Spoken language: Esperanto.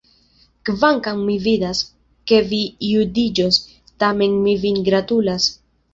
Kvankam mi vidas, ke vi judiĝos, tamen mi vin gratulas.